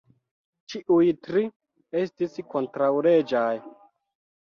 Ĉiuj tri estis kontraŭleĝaj.